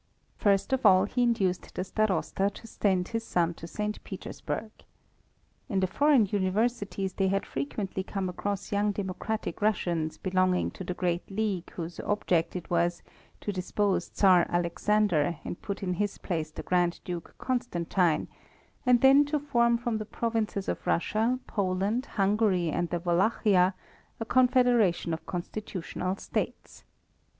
First of all, he induced the Starosta to send his son to St. Petersburg. In the foreign Universities they had frequently come across young democratic Russians belonging to the great league whose object it was to depose Tsar Alexander and put in his place the Grand Duke Constantine, and then to form from the provinces of Russia, Poland, Hungary, and Wallachia a confederation of constitutional states.